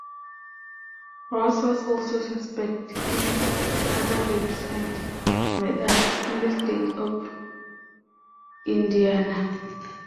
Ross was also suspect in other rapes and murders in the state of Indiana.